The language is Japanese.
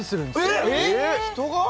えっ人が？